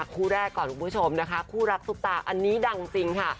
คู่แรกก่อนคุณผู้ชมนะคะคู่รักซุปตาอันนี้ดังจริงค่ะ